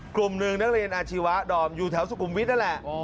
กลุ่มหนึ่งนักเรียนอาชีวะดอมอยู่แถวสุขุมวิทย์นั่นแหละ